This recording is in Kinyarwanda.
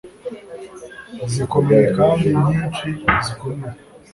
zikomeye kandi nyinshi zikomeye